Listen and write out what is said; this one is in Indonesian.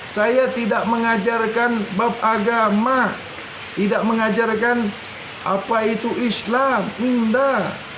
saya tidak mengajarkan bab agama tidak mengajarkan apa itu islam bunda